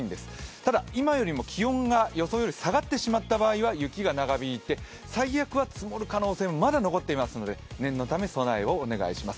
ただ、今よりも気温が予想よりも下がってしまった場合は雪が長引いて、最悪は積もる可能性もまだ残っていますので念のため備えをお願いします。